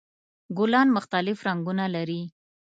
ګلان مختلف رنګونه لري.